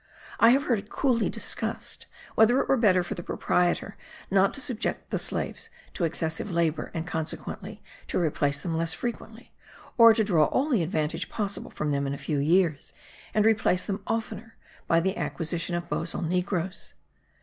I have heard it coolly discussed whether it were better for the proprietor not to subject the slaves to excessive labour and consequently to replace them less frequently, or to draw all the advantage possible from them in a few years, and replace them oftener by the acquisition of bozal negroes.